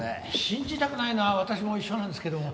信じたくないのは私も一緒なんですけども。